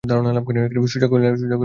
সুজা কহিলেন, আচ্ছা আচ্ছা!